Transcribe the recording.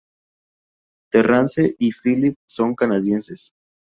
Terrance y Phillip son canadienses.